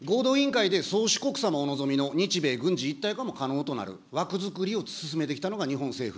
合同委員会で宗主国様お望みの日米軍事一体化も可能となる枠づくりを進めてきたのが日本政府。